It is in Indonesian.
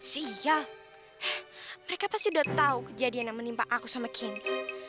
sial mereka pasti udah tau kejadian yang menimpa aku sama candy